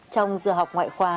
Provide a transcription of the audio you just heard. trong giờ học